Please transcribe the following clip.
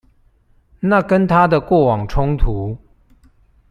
那跟他的過往衝突